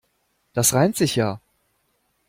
Das reimt sich ja.